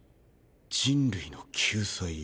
人類の救済を。